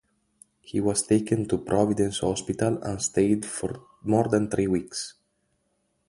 He was taken to Providence Hospital and stayed for more than three weeks.